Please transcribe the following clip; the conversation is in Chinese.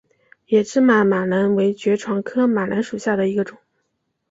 野芝麻马蓝为爵床科马蓝属下的一个种。